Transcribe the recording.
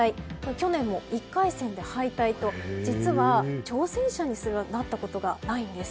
去年も１回戦で敗退と実は挑戦者にすらなったことがないんです。